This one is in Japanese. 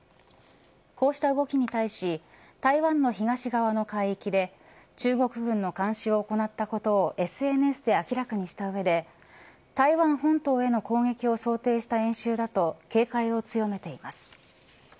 こうした動きに対し台湾の東側の海域で中国軍の監視を行ったことをＳＮＳで明らかにした上で台湾本島への攻撃を想定した演習だと警戒を強めています。